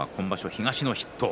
東の筆頭。